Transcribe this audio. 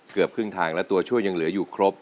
เกือบครึ่งทางและตัวช่วยยังเหลืออยู่ครบ